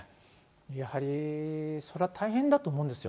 やはりそれは大変だと思うんですよ。